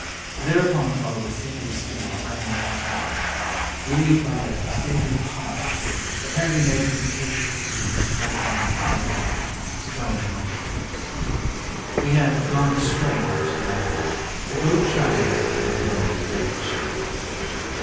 Thereupon followed a savoury stew of onions and tomatoes, relieved by a "savoury pie," apparently made from potatoes, leeks, bread crumbs, butter, and "postponed" mushrooms. We had "gone straight" up to now, but both shied a bit at the maccaroni and grated cheese.